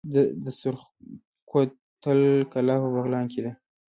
د سرخ کوتل کلا په بغلان کې ده